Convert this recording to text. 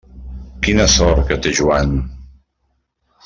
Quina sort que té Joan!